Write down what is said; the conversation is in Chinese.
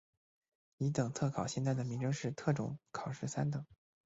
乙等特考现在的名称是特种考试三等。